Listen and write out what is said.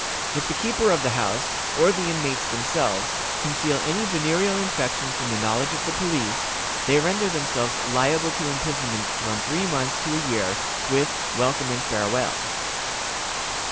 If the keeper of the house, or the inmates themselves, conceal any venereal infection from the knowledge of the police, they render themselves liable to imprisonment from three months to a year, with "welcome and farewell."